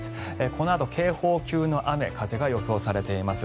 このあと警報級の雨、風が予想されています。